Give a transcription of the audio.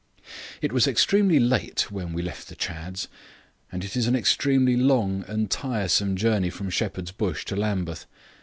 It was extremely late when we left the Chadds, and it is an extremely long and tiresome journey from Shepherd's Bush to Lambeth.